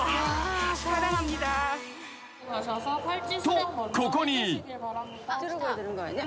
［とここに］